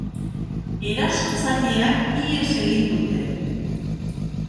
Erasotzaileek ihes egin dute.